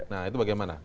nah itu bagaimana